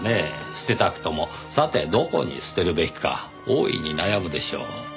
捨てたくともさてどこに捨てるべきか大いに悩むでしょう。